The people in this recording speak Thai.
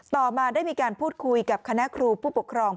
ต่อมาได้มีการพูดคุยกับคณะครูผู้ปกครอง